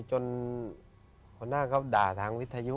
หัวหน้าเขาด่าทางวิทยุ